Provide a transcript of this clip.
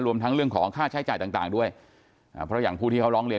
รวมทั้งเรื่องของค่าใช้จ่ายต่างด้วยเพราะอย่างผู้ที่เขาร้องเรียน